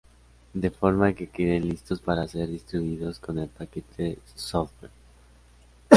De forma que queden listos para ser distribuidos con el paquete de software.